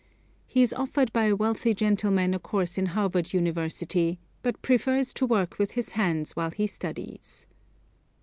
He is offered by a wealthy gentleman a course in Harvard University, but prefers to work with his hands while he studies.